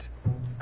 あ